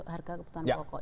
harga kebutuhan pokok